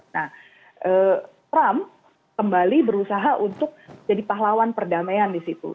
nah trump kembali berusaha untuk jadi pahlawan perdamaian di situ